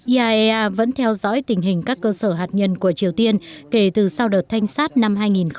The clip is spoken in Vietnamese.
iaea vẫn theo dõi tình hình các cơ sở hạt nhân của triều tiên kể từ sau đợt thanh sát năm hai nghìn một mươi